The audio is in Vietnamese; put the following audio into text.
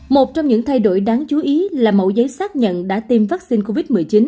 một trong những thay đổi đáng chú ý là mẫu giấy xác nhận đã tiêm vaccine covid một mươi chín